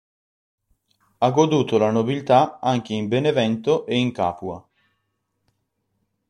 Ha goduto la nobiltà anche in Benevento e in Capua.